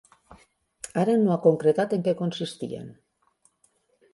Ara, no ha concretat en què consistien.